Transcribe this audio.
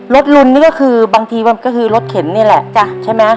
ลุมนี่ก็คือบางทีมันก็คือรถเข็นนี่แหละใช่ไหม